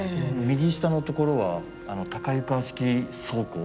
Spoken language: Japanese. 右下のところは高床式倉庫。